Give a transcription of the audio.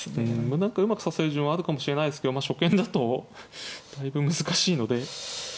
まあ何かうまく指せる順はあるかもしれないですけど初見だとだいぶ難しいので。